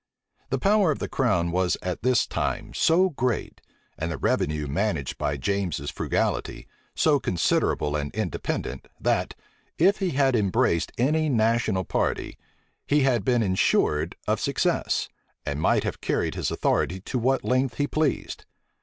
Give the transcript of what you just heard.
The power of the crown was at this time so great, and the revenue managed by James's frugality, so considerable and independent, that, if he had embraced any national party, he had been insured of success, and might have carried his authority to what length he pleased.